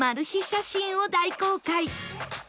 写真を大公開